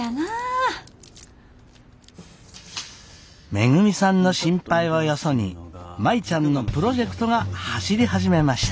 めぐみさんの心配をよそに舞ちゃんのプロジェクトが走り始めました。